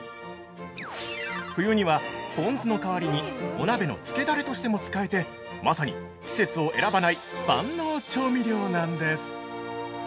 ◆冬には、ポン酢の代わりにお鍋のつけダレとしても使えてまさに季節を選ばない万能調味料なんです！